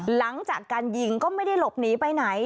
หลังจากการยิงก็ไม่ได้หลบหนีไปไหน